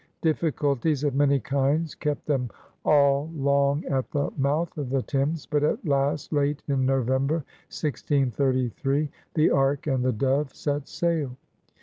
Difficulties of many kinds kept them all long at the mouth of the Thames, but at last, late in November, 1633, the Arh and the Dove set sail.